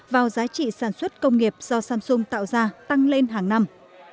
vào giá trị sản xuất công nghiệp do samsung tạo ra tăng lên hàng năm